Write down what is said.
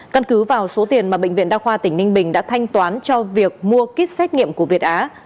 căn cứ vào số tiền mà bệnh viện đa khoa tỉnh ninh bình đã thanh toán cho việc mua kit xét nghiệm của việt á